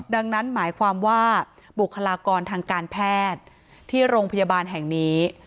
ดังนั้นหมายความว่าบุคลากรทางการแพทย์ที่โรงพยาบาลแห่งนี้